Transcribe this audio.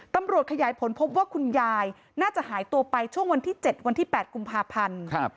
ตำรวจขยายผลพบว่าคุณยายน่าจะหายตัวไปช่วงวันที่๗วันที่๘กุมภาพันธ์